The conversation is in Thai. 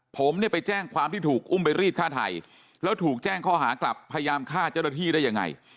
ผมเนี่ยไปแจ้งความที่ถูกอุ้มไปรีดฆ่าไทยแล้วถูกแจ้งข้อหากลับพยายามฆ่าเจ้าหน้าที่ได้ยังไง